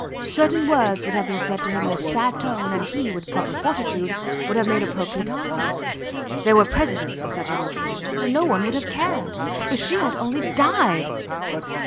Certain words would have been said to him in a sad tone, and he, with proper fortitude, would have made appropriate answers. There were precedents for such an occasion. And no one would have cared. If she had only died!